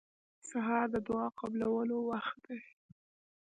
سهار د دعا قبولو وخت دی.